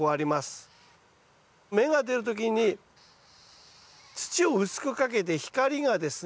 芽が出る時に土を薄くかけて光がですね